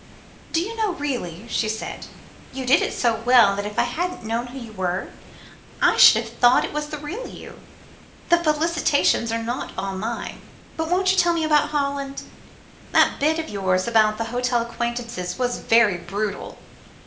"Do you know, really," she said, "you did it so well that if I hadn't known who you were, I should have thought it was the real you. The felicitations are not all mine. But won't you tell me about Holland? That bit of yours about the hotel acquaintances was very brutal.